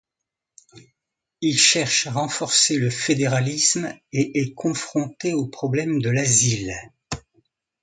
Il cherche à renforcer le fédéralisme, et est confronté au problème de l'asile.